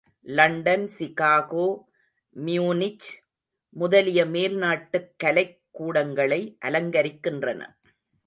London, Chicago, Munich முதலிய மேல் நாட்டுக் கலைக் கூடங்களை அலங்கரிக்கின்றன.